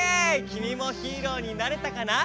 きみもヒーローになれたかな？